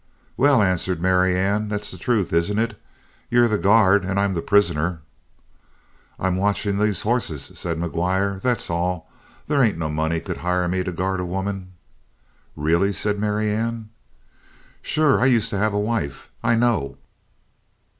"Well," answered Marianne, "that's the truth, isn't it? You're the guard and I'm the prisoner?" "I'm watching these hosses," said McGuire. "That's all. They ain't no money could hire me to guard a woman." "Really?" said Marianne. "Sure. I used to have a wife. I know."